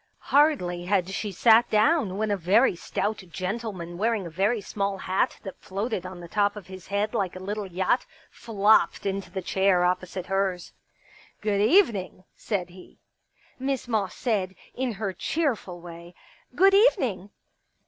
Hardly had she sat down when a very stout gentleman wearing a very small hat that floated on the top of his head like a little yacht flopped into the chair opposite hers. Good evening !'* said he. Miss Moss said, in her cheerful way :" Good evening